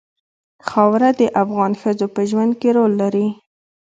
خاوره د افغان ښځو په ژوند کې رول لري.